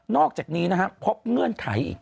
อกจากนี้นะครับพบเงื่อนไขอีก